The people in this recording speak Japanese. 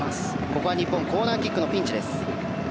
ここは日本コーナーキックのピンチ。